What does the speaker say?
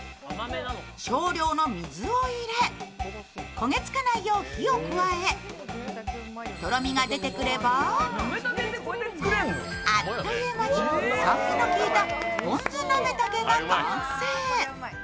焦げ付かないよう火を加えとろみが出てくればあっという間に酸味の効いたぽん酢なめたけが完成。